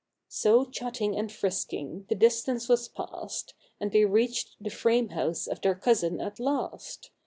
So, chatting and frisking, the distance was past, And they reached the frame house of their Cousin at last.